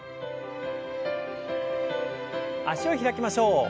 脚を開きましょう。